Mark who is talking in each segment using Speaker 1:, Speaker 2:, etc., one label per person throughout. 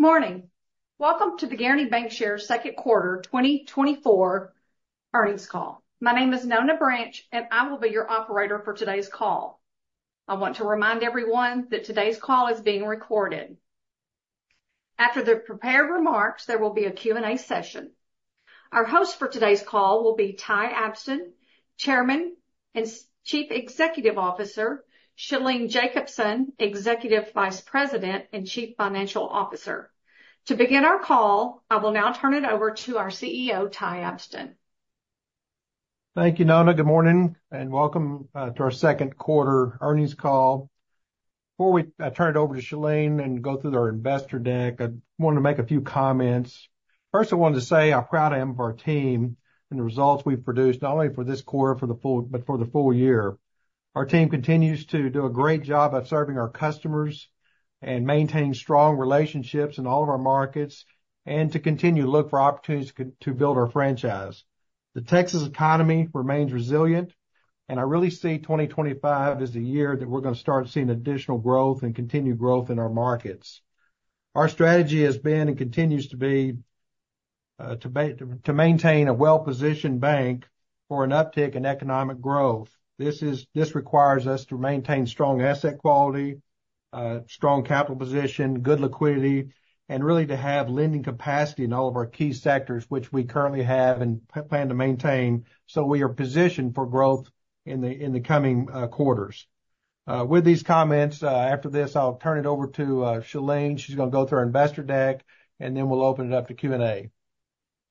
Speaker 1: Good morning. Welcome to the Guaranty Bancshares Q2 2024 earnings call. My name is Nona Branch, and I will be your operator for today's call. I want to remind everyone that today's call is being recorded. After the prepared remarks, there will be a Q&A session. Our host for today's call will be Ty Abston, Chairman and Chief Executive Officer, Shalene Jacobson, Executive Vice President and Chief Financial Officer. To begin our call, I will now turn it over to our CEO, Ty Abston.
Speaker 2: Thank you, Nona. Good morning, and welcome to our Q2 earnings call. Before we turn it over to Shalene and go through their investor deck, I wanted to make a few comments. First, I wanted to say how proud I am of our team and the results we've produced, not only for this quarter, for the full, but for the full year. Our team continues to do a great job of serving our customers and maintaining strong relationships in all of our markets, and to continue to look for opportunities to build our franchise. The Texas economy remains resilient, and I really see 2025 as the year that we're gonna start seeing additional growth and continued growth in our markets. Our strategy has been and continues to be to maintain a well-positioned bank for an uptick in economic growth. This requires us to maintain strong asset quality, strong capital position, good liquidity, and really to have lending capacity in all of our key sectors, which we currently have and plan to maintain, so we are positioned for growth in the coming quarters. With these comments, after this, I'll turn it over to Shalene. She's gonna go through our investor deck, and then we'll open it up to Q&A.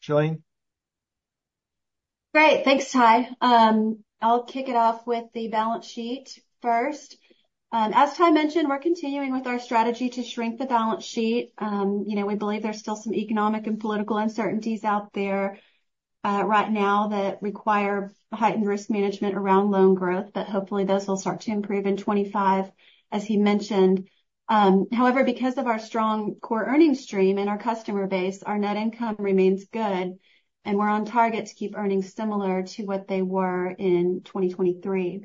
Speaker 2: Shalene?
Speaker 3: Great. Thanks, Ty. I'll kick it off with the balance sheet first. As Ty mentioned, we're continuing with our strategy to shrink the balance sheet. You know, we believe there's still some economic and political uncertainties out there, right now that require heightened risk management around loan growth, but hopefully, those will start to improve in 2025, as he mentioned. However, because of our strong core earnings stream and our customer base, our net income remains good, and we're on target to keep earnings similar to what they were in 2023.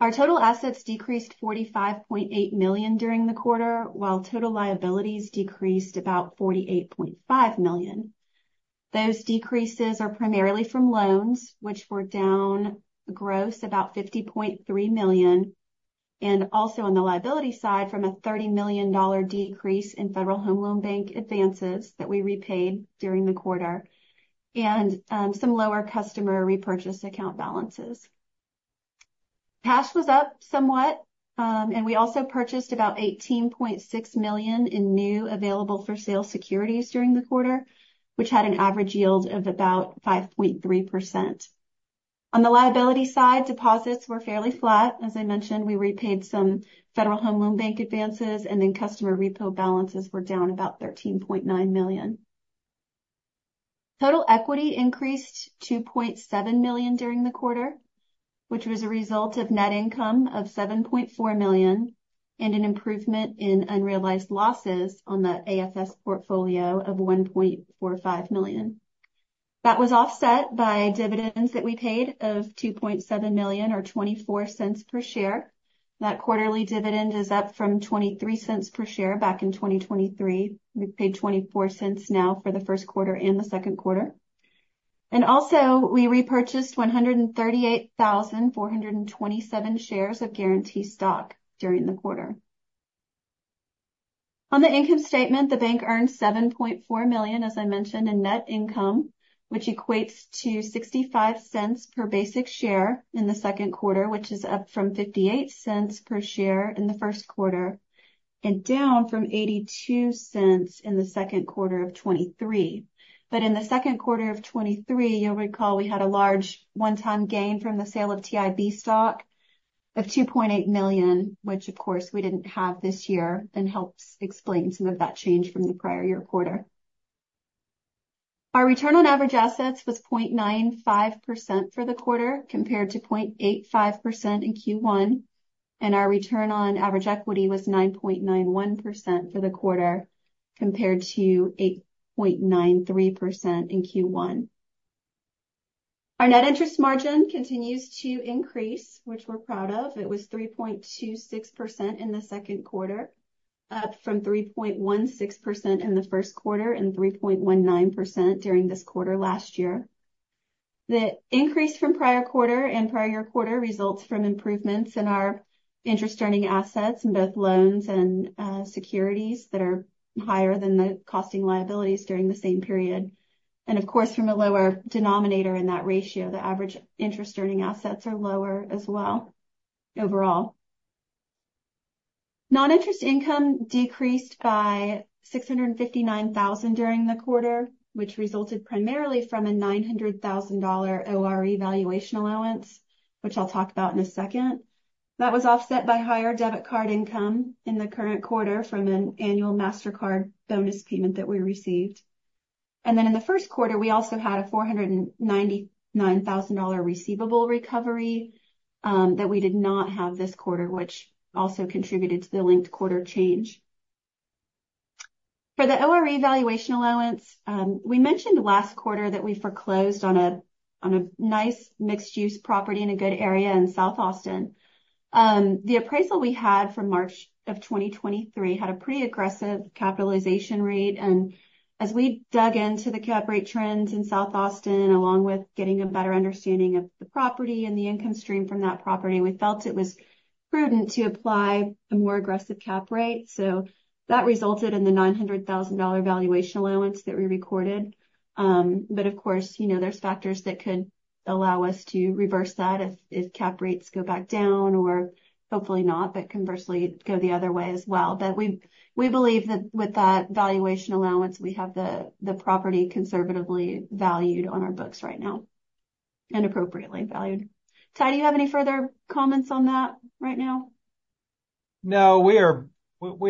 Speaker 3: Our total assets decreased $45.8 million during the quarter, while total liabilities decreased about $48.5 million. Those decreases are primarily from loans, which were down gross about $50.3 million, and also on the liability side, from a $30 million decrease in Federal Home Loan Bank advances that we repaid during the quarter and some lower customer repurchase account balances. Cash was up somewhat, and we also purchased about $18.6 million in new available-for-sale securities during the quarter, which had an average yield of about 5.3%. On the liability side, deposits were fairly flat. As I mentioned, we repaid some Federal Home Loan Bank advances, and then customer repo balances were down about $13.9 million. Total equity increased $2.7 million during the quarter, which was a result of net income of $7.4 million and an improvement in unrealized losses on the AFS portfolio of $1.45 million. That was offset by dividends that we paid of $2.7 million or $0.24 per share. That quarterly dividend is up from $0.23 per share back in 2023. We've paid $0.24 now for the Q1 and Q2. And also, we repurchased 138,427 shares of Guaranty stock during the quarter. On the income statement, the bank earned $7.4 million, as I mentioned, in net income, which equates to $0.65 per basic share in the Q2, which is up from $0.58 per share in the Q1 and down from $0.82 in the Q2 of 2023. But in the Q2 of 2023, you'll recall we had a large one-time gain from the sale of TIB stock of $2.8 million, which of course we didn't have this year, and helps explain some of that change from the prior year quarter. Our return on average assets was 0.95% for the quarter, compared to 0.85% in Q1, and our return on average equity was 9.91% for the quarter, compared to 8.93% in Q1. Our net interest margin continues to increase, which we're proud of. It was 3.26% in the Q2, up from 3.16% in the Q1 and 3.19% during this quarter last year. The increase from prior quarter and prior year quarter results from improvements in our interest earning assets in both loans and securities that are higher than the costing liabilities during the same period. Of course, from a lower denominator in that ratio, the average interest earning assets are lower as well overall. Non-interest income decreased by $659,000 during the quarter, which resulted primarily from a $900,000 ORE valuation allowance, which I'll talk about in a second. That was offset by higher debit card income in the current quarter from an annual MasterCard bonus payment that we received. Then in the Q1, we also had a $499 thousand dollar receivable recovery that we did not have this quarter, which also contributed to the linked quarter change. For the ORE valuation allowance, we mentioned last quarter that we foreclosed on a nice mixed use property in a good area in South Austin. The appraisal we had from March of 2023 had a pretty aggressive capitalization rate, and as we dug into the cap rate trends in South Austin, along with getting a better understanding of the property and the income stream from that property, we felt it was prudent to apply a more aggressive cap rate. So that resulted in the $900,000 valuation allowance that we recorded. But of course, you know, there's factors that could allow us to reverse that as cap rates go back down, or hopefully not, but conversely, go the other way as well. But we believe that with that valuation allowance, we have the property conservatively valued on our books right now and appropriately valued. Ty, do you have any further comments on that right now?
Speaker 2: No, we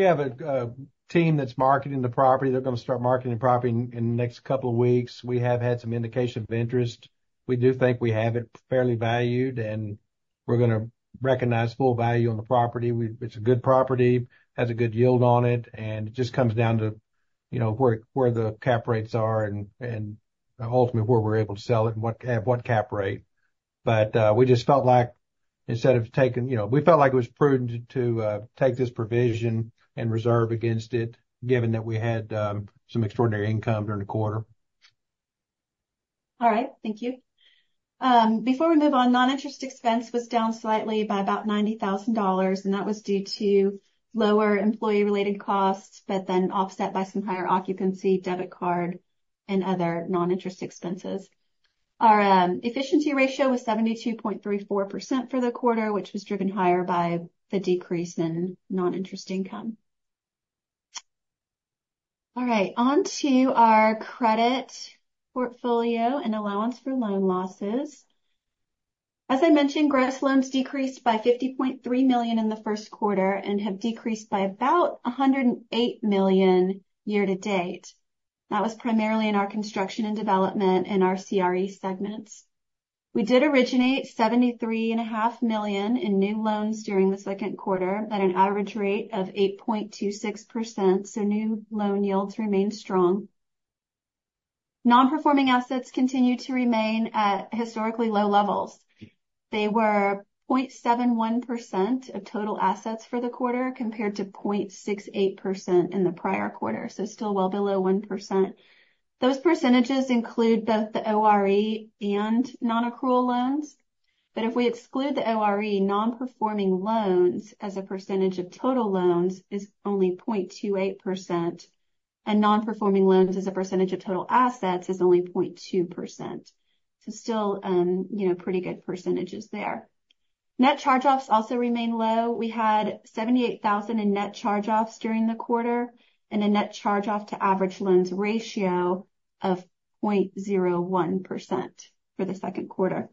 Speaker 2: have a team that's marketing the property. They're gonna start marketing the property in the next couple of weeks. We have had some indication of interest. We do think we have it fairly valued, and we're gonna recognize full value on the property. It's a good property, has a good yield on it, and it just comes down to, you know, where the cap rates are and ultimately where we're able to sell it and what cap rate. But we just felt like instead of taking... You know, we felt like it was prudent to take this provision and reserve against it, given that we had some extraordinary income during the quarter.
Speaker 3: All right, thank you. Before we move on, non-interest expense was down slightly by about $90,000, and that was due to lower employee-related costs, but then offset by some higher occupancy, debit card and other non-interest expenses. Our efficiency ratio was 72.34% for the quarter, which was driven higher by the decrease in non-interest income. All right, on to our credit portfolio and allowance for loan losses. As I mentioned, gross loans decreased by $50.3 million in the Q1 and have decreased by about $108 million year to date. That was primarily in our construction and development in our CRE segments. We did originate $73.5 million in new loans during the Q2 at an average rate of 8.26%, so new loan yields remained strong. Non-performing assets continue to remain at historically low levels. They were 0.71% of total assets for the quarter, compared to 0.68% in the prior quarter, so still well below 1%. Those percentages include both the ORE and non-accrual loans, but if we exclude the ORE, non-performing loans as a percentage of total loans is only 0.28%, and non-performing loans as a percentage of total assets is only 0.02%. So still, you know, pretty good percentages there. Net charge-offs also remain low. We had $78,000 in net charge-offs during the quarter, and a net charge-off to average loans ratio of 0.01% for the Q2.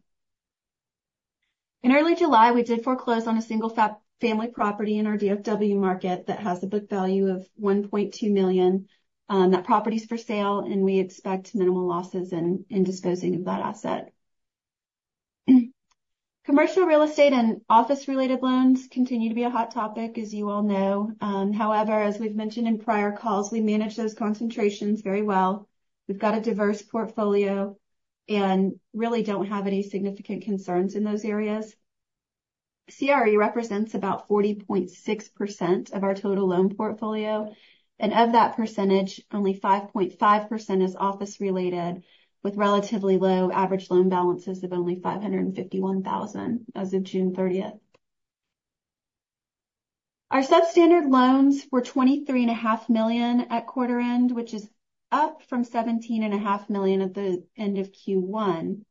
Speaker 3: In early July, we did foreclose on a single family property in our DFW market that has a book value of $1.2 million. That property is for sale, and we expect minimal losses in, in disposing of that asset. Commercial real estate and office-related loans continue to be a hot topic, as you all know. However, as we've mentioned in prior calls, we manage those concentrations very well. We've got a diverse portfolio and really don't have any significant concerns in those areas. CRE represents about 40.6% of our total loan portfolio, and of that percentage, only 5.5% is office related, with relatively low average loan balances of only $551,000 as of June 30th. Our substandard loans were $23.5 million at quarter end, which is up from $17.5 million at the end of Q1.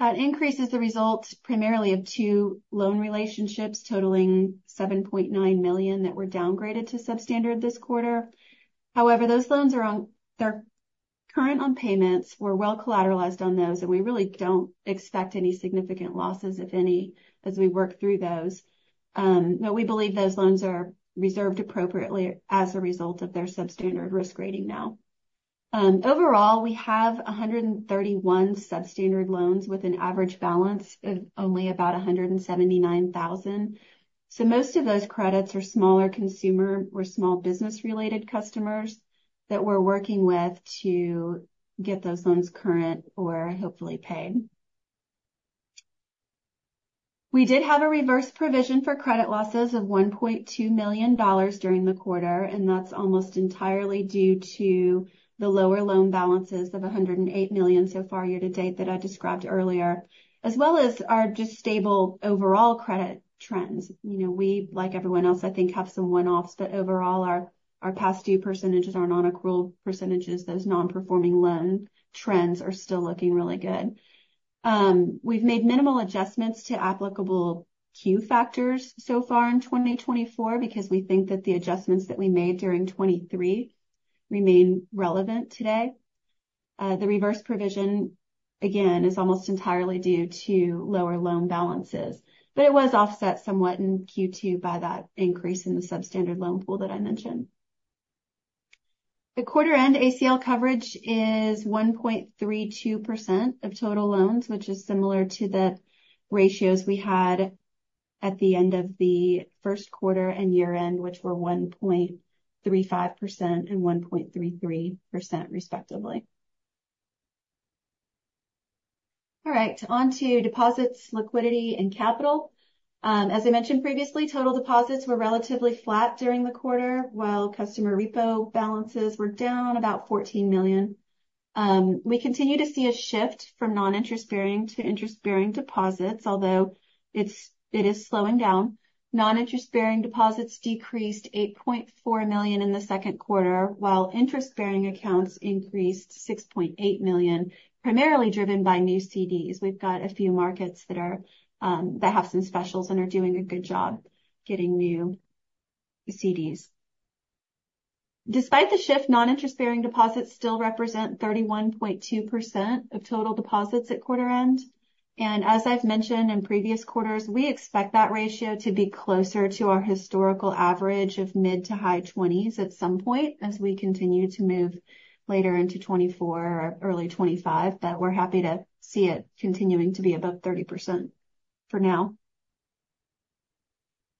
Speaker 3: That increase is the result primarily of two loan relationships totaling $7.9 million that were downgraded to substandard this quarter. However, those loans are-- they're current on payments. We're well collateralized on those, and we really don't expect any significant losses, if any, as we work through those. But we believe those loans are reserved appropriately as a result of their substandard risk rating now. Overall, we have 131 substandard loans with an average balance of only about $179,000. So most of those credits are smaller consumer or small business-related customers that we're working with to get those loans current or hopefully paid. We did have a reverse provision for credit losses of $1.2 million during the quarter, and that's almost entirely due to the lower loan balances of $108 million so far year-to-date that I described earlier, as well as our just stable overall credit trends. You know, we, like everyone else, I think, have some one-offs, but overall, our past due percentages, our non-accrual percentages, those non-performing loan trends are still looking really good. We've made minimal adjustments to applicable Q factors so far in 2024 because we think that the adjustments that we made during 2023 remain relevant today. The reverse provision, again, is almost entirely due to lower loan balances, but it was offset somewhat in Q2 by that increase in the substandard loan pool that I mentioned. The quarter-end ACL coverage is 1.32% of total loans, which is similar to the ratios we had at the end of the Q1 and year-end, which were 1.35% and 1.33%, respectively. All right, on to deposits, liquidity, and capital. As I mentioned previously, total deposits were relatively flat during the quarter, while customer repo balances were down about $14 million. We continue to see a shift from non-interest bearing to interest-bearing deposits, although it is slowing down. Non-interest bearing deposits decreased $8.4 million in the Q2, while interest-bearing accounts increased $6.8 million, primarily driven by new CDs. We've got a few markets that have some specials and are doing a good job getting new CDs. Despite the shift, non-interest bearing deposits still represent 31.2% of total deposits at quarter end. As I've mentioned in previous quarters, we expect that ratio to be closer to our historical average of mid to high twenties at some point as we continue to move later into 2024 or early 2025. We're happy to see it continuing to be above 30% for now.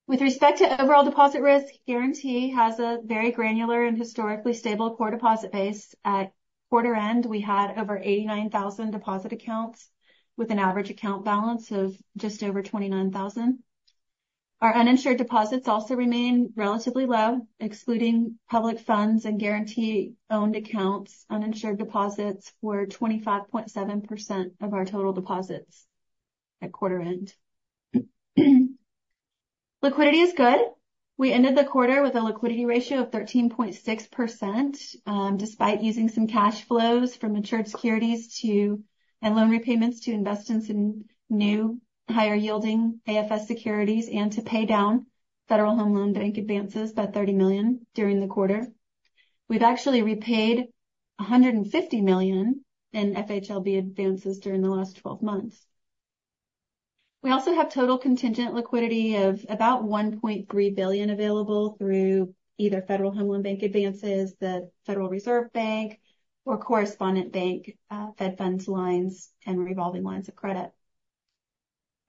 Speaker 3: With respect to overall deposit risk, Guaranty has a very granular and historically stable core deposit base. At quarter end, we had over 89,000 deposit accounts with an average account balance of just over $29,000. Our uninsured deposits also remain relatively low, excluding public funds and Guaranty-owned accounts. Uninsured deposits were 25.7% of our total deposits at quarter end. Liquidity is good. We ended the quarter with a liquidity ratio of 13.6%, despite using some cash flows from matured securities and loan repayments to invest in some new higher yielding AFS securities and to pay down Federal Home Loan Bank advances—that $30 million during the quarter. We've actually repaid $150 million in FHLB advances during the last twelve months. We also have total contingent liquidity of about $1.3 billion available through either Federal Home Loan Bank advances, the Federal Reserve Bank, or Correspondent Bank Fed funds lines and revolving lines of credit.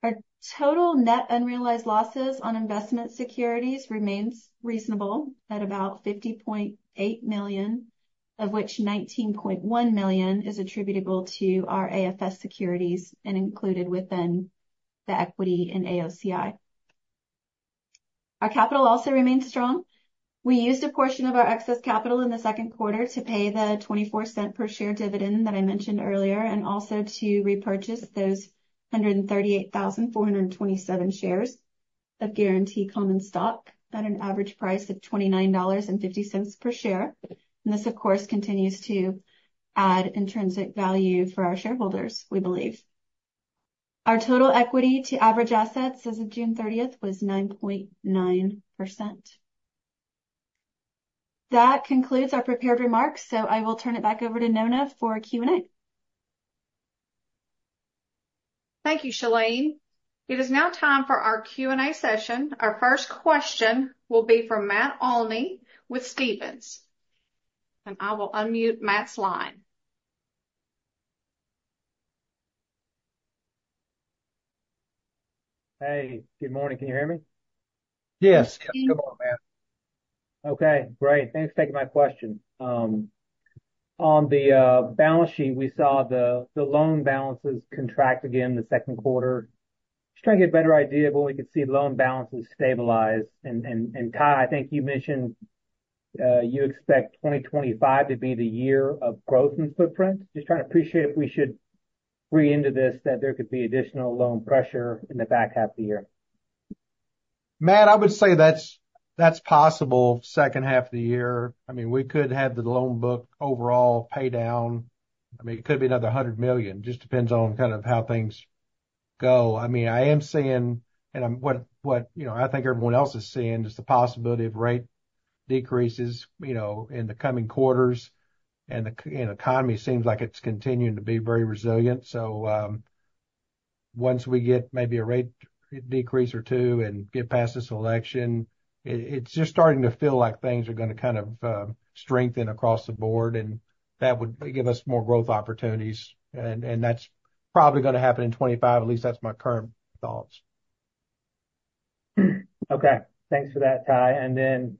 Speaker 3: Our total net unrealized losses on investment securities remains reasonable at about $50.8 million, of which $19.1 million is attributable to our AFS securities and included within the equity in AOCI. Our capital also remains strong. We used a portion of our excess capital in the Q2 to pay the $0.24 per share dividend that I mentioned earlier, and also to repurchase those 138,427 shares of Guaranty common stock at an average price of $29.50 per share. And this, of course, continues to add intrinsic value for our shareholders, we believe. Our total equity to average assets as of June 30th was 9.9%. That concludes our prepared remarks, so I will turn it back over to Nona for Q&A.
Speaker 1: Thank you, Shalene. It is now time for our Q&A session. Our first question will be from Matt Olney with Stephens, and I will unmute Matt's line.
Speaker 4: Hey, good morning. Can you hear me?
Speaker 2: Yes. Good morning, Matt.
Speaker 4: Okay, great. Thanks for taking my question. On the balance sheet, we saw the loan balances contract again in the Q2. Just trying to get a better idea of when we could see loan balances stabilize. And, Ty, I think you mentioned you expect 2025 to be the year of growth in footprint. Just trying to appreciate if we should read into this, that there could be additional loan pressure in the back half of the year.
Speaker 2: Matt, I would say that's possible second half of the year. I mean, we could have the loan book overall pay down. I mean, it could be another $100 million. Just depends on kind of how things go. I mean, I am seeing and what you know, I think everyone else is seeing, is the possibility of rate decreases, you know, in the coming quarters. And the economy seems like it's continuing to be very resilient. So, once we get maybe a rate decrease or two and get past this election, it's just starting to feel like things are gonna kind of strengthen across the board, and that would give us more growth opportunities, and that's probably gonna happen in 2025. At least that's my current thoughts.
Speaker 4: Okay, thanks for that, Ty. And then,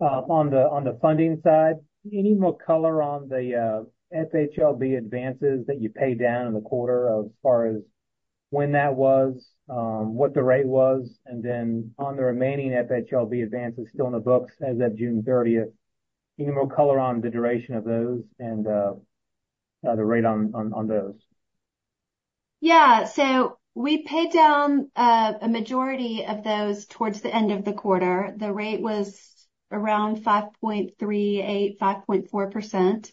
Speaker 4: on the funding side, any more color on the FHLB advances that you paid down in the quarter as far as when that was, what the rate was? And then on the remaining FHLB advances still on the books as of June thirtieth, any more color on the duration of those and the rate on those?
Speaker 3: Yeah. So we paid down a majority of those towards the end of the quarter. The rate was around 5.38-5.4%.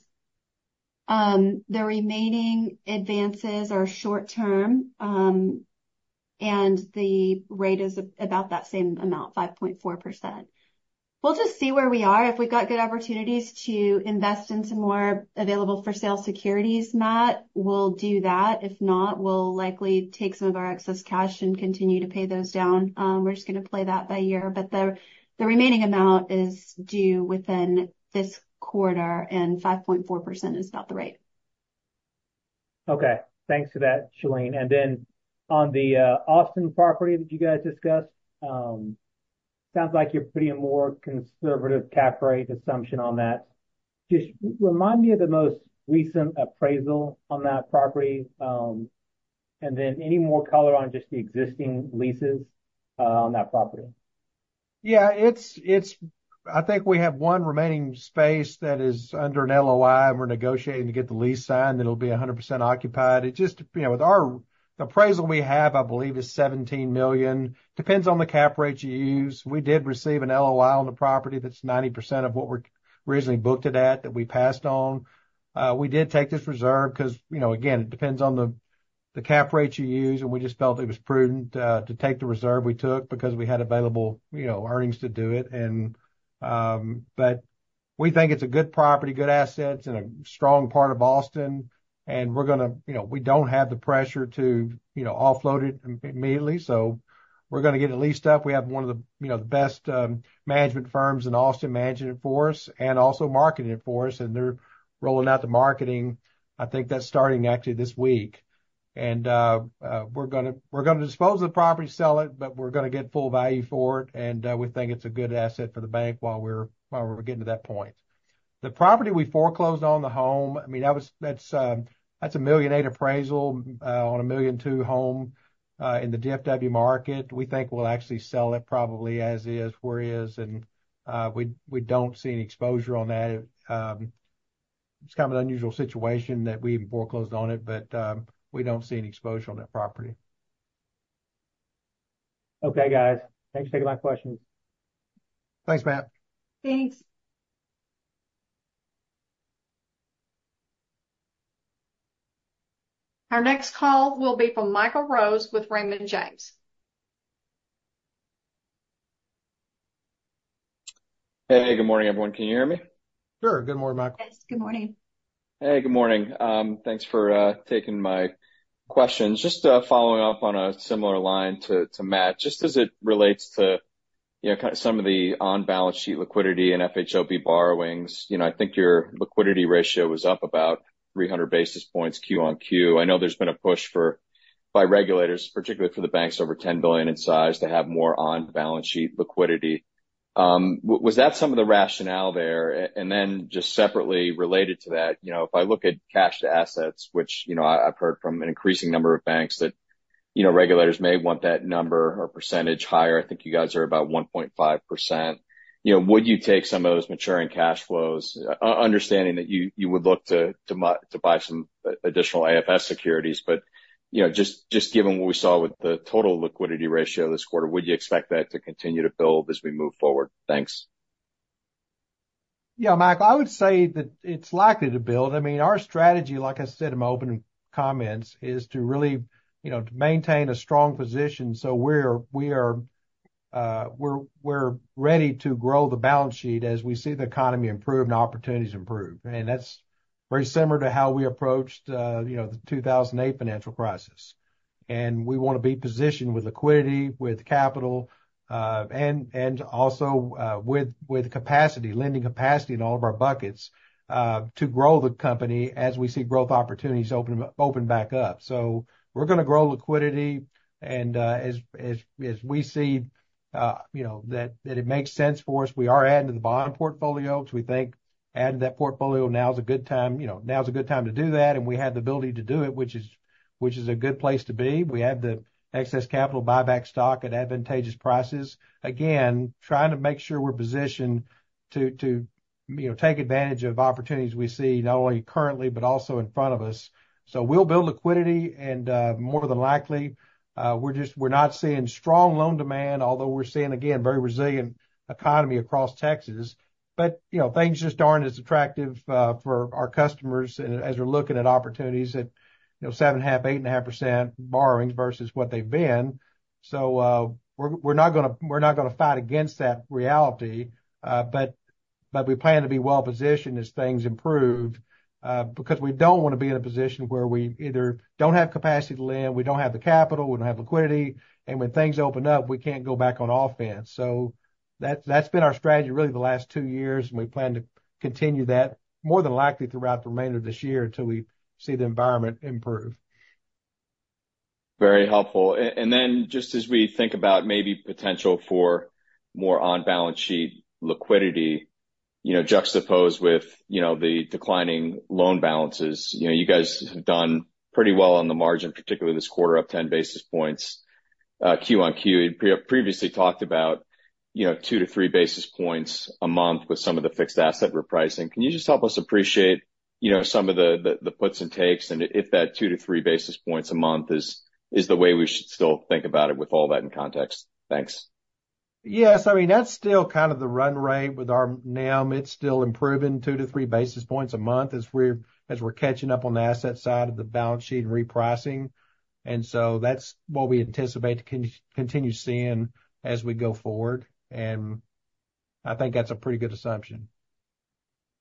Speaker 3: The remaining advances are short term, and the rate is about that same amount, 5.4%. We'll just see where we are. If we've got good opportunities to invest in some more available for sale securities, Matt, we'll do that. If not, we'll likely take some of our excess cash and continue to pay those down. We're just gonna play that by ear, but the remaining amount is due within this quarter, and 5.4% is about the rate....
Speaker 4: Okay, thanks for that, Shalene. On the Austin property that you guys discussed, sounds like you're putting a more conservative cap rate assumption on that. Just remind me of the most recent appraisal on that property. Any more color on just the existing leases on that property?
Speaker 2: Yeah, it's I think we have one remaining space that is under an LOI, and we're negotiating to get the lease signed, and it'll be 100% occupied. It just, you know, with our, the appraisal we have, I believe, is $17 million. Depends on the cap rates you use. We did receive an LOI on the property that's 90% of what we're originally booked it at, that we passed on. We did take this reserve because, you know, again, it depends on the cap rates you use, and we just felt it was prudent to take the reserve we took because we had available, you know, earnings to do it. But we think it's a good property, good assets in a strong part of Austin, and we're gonna, you know, we don't have the pressure to, you know, offload it immediately. So we're gonna get it leased up. We have one of the, you know, the best, management firms in Austin managing it for us and also marketing it for us, and they're rolling out the marketing. I think that's starting actually this week. And, we're gonna, we're gonna dispose the property, sell it, but we're gonna get full value for it, and, we think it's a good asset for the bank while we're, while we're getting to that point. The property we foreclosed on, the home, I mean, that was, that's, that's a $1.8 million appraisal, on a $1.2 million home, in the DFW market. We think we'll actually sell it probably as is, where is, and, we, we don't see any exposure on that. It's kind of an unusual situation that we foreclosed on it, but we don't see any exposure on that property.
Speaker 4: Okay, guys. Thanks for taking my questions.
Speaker 2: Thanks, Matt.
Speaker 3: Thanks.
Speaker 1: Our next call will be from Michael Rose with Raymond James.
Speaker 5: Hey, good morning, everyone. Can you hear me?
Speaker 2: Sure. Good morning, Michael.
Speaker 3: Yes, good morning.
Speaker 5: Hey, good morning. Thanks for taking my questions. Just following up on a similar line to Matt. Just as it relates to, you know, some of the on-balance sheet liquidity and FHLB borrowings, you know, I think your liquidity ratio was up about 300 basis points Q-on-Q. I know there's been a push by regulators, particularly for the banks over 10 billion in size, to have more on-balance sheet liquidity. Was that some of the rationale there? And then, just separately related to that, you know, if I look at cash to assets, which, you know, I've heard from an increasing number of banks that, you know, regulators may want that number or percentage higher, I think you guys are about 1.5%. You know, would you take some of those maturing cash flows, understanding that you would look to buy some additional AFS securities, but, you know, just given what we saw with the total liquidity ratio this quarter, would you expect that to continue to build as we move forward? Thanks.
Speaker 2: Yeah, Michael, I would say that it's likely to build. I mean, our strategy, like I said in my opening comments, is to really, you know, to maintain a strong position. So we are ready to grow the balance sheet as we see the economy improve and opportunities improve. And that's very similar to how we approached, you know, the 2008 financial crisis. And we want to be positioned with liquidity, with capital, and also with capacity, lending capacity in all of our buckets, to grow the company as we see growth opportunities open up, open back up. So we're gonna grow liquidity, and as we see, you know, that it makes sense for us, we are adding to the bond portfolio because we think adding to that portfolio, now is a good time, you know, now is a good time to do that, and we have the ability to do it, which is a good place to be. We have the excess capital buyback stock at advantageous prices. Again, trying to make sure we're positioned to, you know, take advantage of opportunities we see, not only currently, but also in front of us. So we'll build liquidity, and more than likely, we're just, we're not seeing strong loan demand, although we're seeing, again, very resilient economy across Texas. But, you know, things just aren't as attractive for our customers and as we're looking at opportunities at, you know, 7.5%-8.5% borrowings versus what they've been. So, we're not gonna fight against that reality, but we plan to be well-positioned as things improve, because we don't want to be in a position where we either don't have capacity to lend, we don't have the capital, we don't have liquidity, and when things open up, we can't go back on offense. So that's been our strategy, really, the last two years, and we plan to continue that, more than likely, throughout the remainder of this year until we see the environment improve.
Speaker 5: Very helpful. And then, just as we think about maybe potential for more on-balance sheet liquidity, you know, juxtaposed with, you know, the declining loan balances. You know, you guys have done pretty well on the margin, particularly this quarter, up 10 basis points, quarter-over-quarter. You previously talked about, you know, 2-3 basis points a month with some of the fixed asset repricing. Can you just help us appreciate, you know, some of the puts and takes, and if that 2-3 basis points a month is the way we should still think about it with all that in context? Thanks.
Speaker 2: Yes. I mean, that's still kind of the run rate with our NIM. It's still improving 2-3 basis points a month as we're catching up on the asset side of the balance sheet and repricing. And so that's what we anticipate to continue seeing as we go forward, and I think that's a pretty good assumption.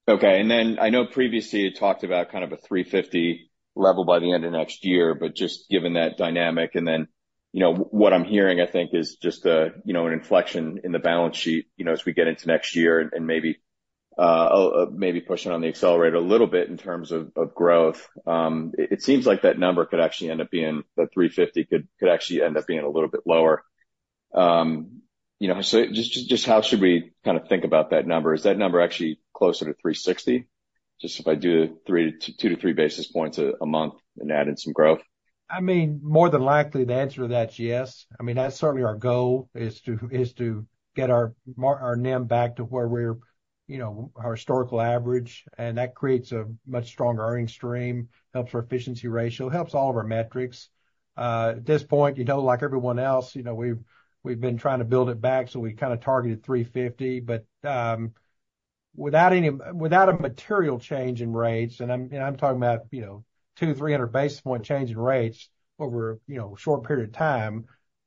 Speaker 5: Okay. And then, I know previously, you talked about kind of a 3.50 level by the end of next year, but just given that dynamic, and then, you know, what I'm hearing, I think, is just a, you know, an inflection in the balance sheet, you know, as we get into next year and maybe pushing on the accelerator a little bit in terms of growth. It seems like that number could actually end up being, the 3.50 could actually end up being a little bit lower. You know, so just how should we kind of think about that number? Is that number actually closer to 3.60? Just if I do 32-33 basis points a month and add in some growth.
Speaker 2: I mean, more than likely, the answer to that is yes. I mean, that's certainly our goal, is to, is to get our NIM back to where we're, you know, our historical average, and that creates a much stronger earning stream, helps our efficiency ratio, helps all of our metrics. At this point, you know, like everyone else, you know, we've, we've been trying to build it back, so we kind of targeted 350. But, without a material change in rates, and I'm, you know, I'm talking about, you know, 200-300 basis point change in rates over, you know, a short period of time,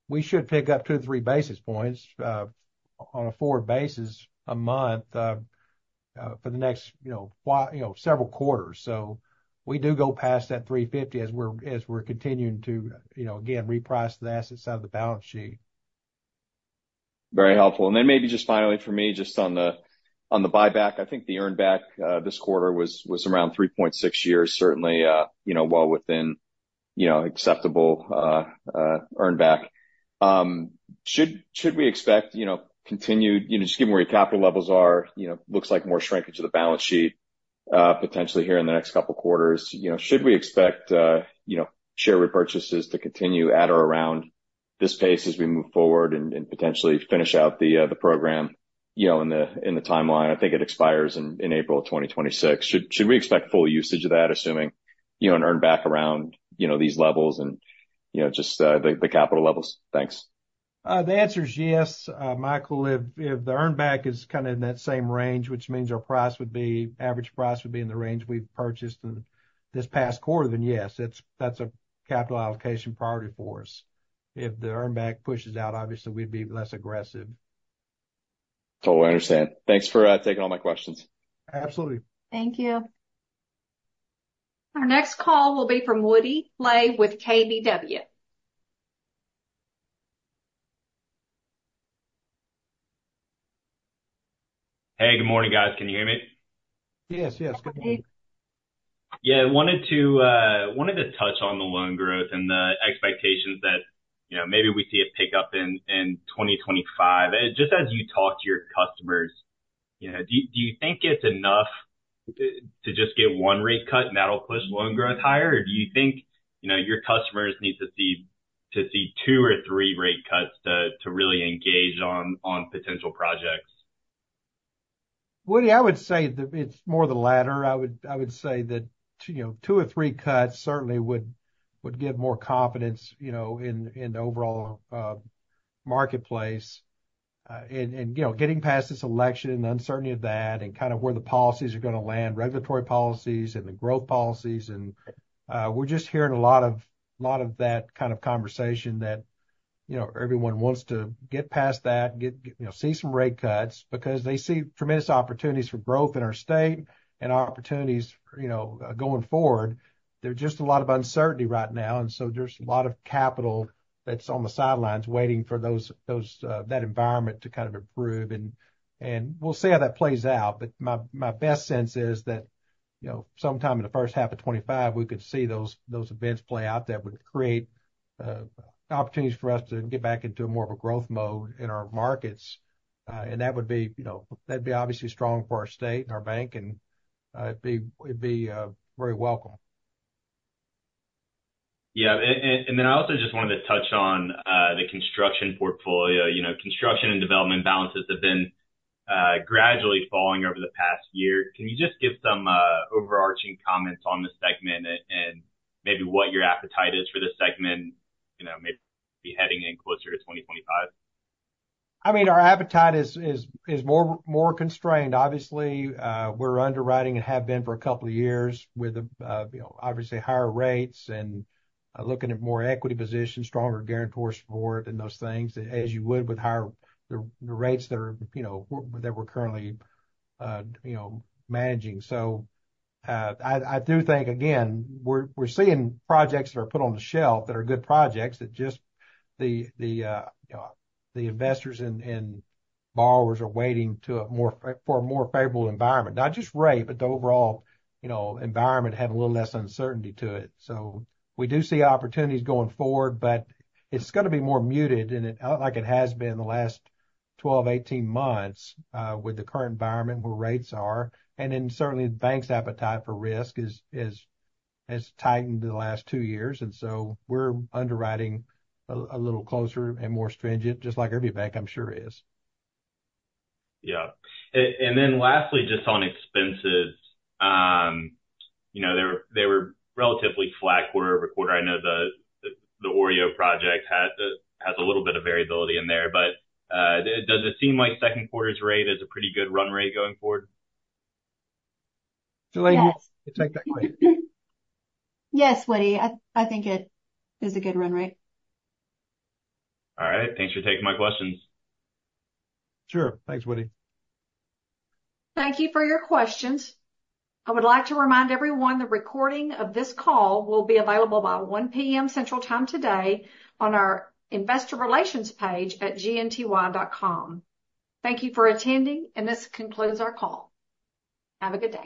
Speaker 2: we should pick up 2-3 basis points, on a forward basis, a month, for the next, you know, several quarters. So we do go past that 350 as we're continuing to, you know, again, reprice the assets out of the balance sheet.
Speaker 5: Very helpful. Then maybe just finally for me, just on the buyback. I think the earn back this quarter was around 3.6 years, certainly, you know, well within, you know, acceptable earn back. Should we expect, you know, continued... You know, just given where your capital levels are, you know, looks like more shrinkage of the balance sheet, potentially here in the next couple quarters. You know, should we expect, you know, share repurchases to continue at or around this pace as we move forward and potentially finish out the program, you know, in the timeline? I think it expires in April of 2026. Should we expect full usage of that, assuming, you know, an earn back around, you know, these levels and, you know, just the capital levels? Thanks.
Speaker 2: The answer is yes, Michael. If the earn back is kind of in that same range, which means our price would be, average price would be in the range we've purchased in this past quarter, then, yes, it's, that's a capital allocation priority for us. If the earn back pushes out, obviously, we'd be less aggressive.
Speaker 5: Oh, I understand. Thanks for taking all my questions.
Speaker 2: Absolutely.
Speaker 3: Thank you.
Speaker 1: Our next call will be from Woody Lay with KBW.
Speaker 6: Hey, good morning, guys. Can you hear me?
Speaker 2: Yes, yes. Good morning.
Speaker 1: Yes, we can.
Speaker 6: Yeah, I wanted to touch on the loan growth and the expectations that, you know, maybe we'd see a pickup in 2025. Just as you talk to your customers, you know, do you think it's enough to just get one rate cut, and that'll push loan growth higher? Or do you think, you know, your customers need to see two or three rate cuts to really engage on potential projects?
Speaker 2: Woody, I would say that it's more the latter. I would say that, you know, 2 or 3 cuts certainly would give more confidence, you know, in the overall marketplace. And, you know, getting past this election and the uncertainty of that and kind of where the policies are gonna land, regulatory policies and the growth policies, and we're just hearing a lot of that kind of conversation that, you know, everyone wants to get past that. You know, see some rate cuts because they see tremendous opportunities for growth in our state and opportunities, you know, going forward. There's just a lot of uncertainty right now, and so there's a lot of capital that's on the sidelines waiting for those, that environment to kind of improve. And we'll see how that plays out. But my best sense is that, you know, sometime in the first half of 2025, we could see those events play out that would create opportunities for us to get back into more of a growth mode in our markets. And that would be, you know, that'd be obviously strong for our state and our bank, and it'd be very welcome.
Speaker 6: Yeah. And then I also just wanted to touch on the construction portfolio. You know, construction and development balances have been gradually falling over the past year. Can you just give some overarching comments on this segment and maybe what your appetite is for this segment, you know, maybe be heading in closer to 2025?
Speaker 2: I mean, our appetite is more constrained. Obviously, we're underwriting and have been for a couple of years with, you know, obviously higher rates and, looking at more equity positions, stronger guarantor support and those things, as you would with higher the, the rates that are, you know, that we're currently, you know, managing. So, I do think, again, we're seeing projects that are put on the shelf, that are good projects, that just the, the, you know, the investors and borrowers are waiting for a more favorable environment. Not just rate, but the overall, you know, environment have a little less uncertainty to it. So we do see opportunities going forward, but it's gonna be more muted, and it, like it has been the last 12, 18 months, with the current environment where rates are, and then certainly the bank's appetite for risk is, has tightened the last 2 years. And so we're underwriting a little closer and more stringent, just like every bank, I'm sure is.
Speaker 6: Yeah. And, and then lastly, just on expenses, you know, they were, they were relatively flat quarter-over-quarter. I know the, the OREO project has a, has a little bit of variability in there, but, does it seem like Q2's rate is a pretty good run rate going forward?
Speaker 2: Shalene
Speaker 3: Yes.
Speaker 2: You take that question.
Speaker 3: Yes, Woody, I think it is a good run rate.
Speaker 6: All right. Thanks for taking my questions.
Speaker 2: Sure. Thanks, Woody.
Speaker 1: Thank you for your questions. I would like to remind everyone the recording of this call will be available by 1:00 P.M. Central Time today on our investor relations page at gnty.com. Thank you for attending, and this concludes our call. Have a good day.